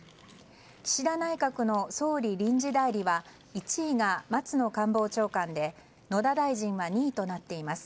岸田内閣の総理臨時代理は１位が松野官房長官で野田大臣は２位となっています。